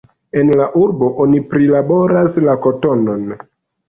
En la urbo oni prilaboras la kotonon.